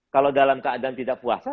kalau dalam keadaan tidak puasa